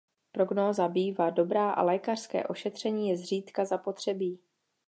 Prognóza bývá dobrá a lékařské ošetření je zřídka zapotřebí.